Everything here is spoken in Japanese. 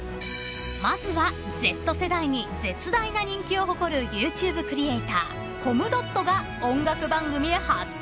［まずはＺ世代に絶大な人気を誇るＹｏｕＴｕｂｅクリエーターコムドットが音楽番組へ初登場］